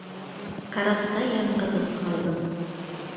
Карапта яңғыҙым ҡалдым.